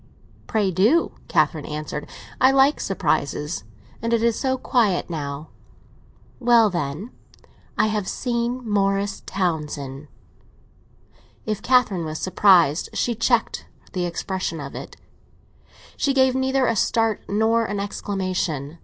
"Pray do," Catherine answered; "I like surprises. And it is so quiet now." "Well, then, I have seen Morris Townsend." If Catherine was surprised, she checked the expression of it; she gave neither a start nor an exclamation.